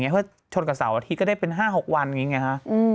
เพราะชนกับเสาร์อาทิตย์ก็ได้เป็น๕๖วันอย่างนี้ไงฮะ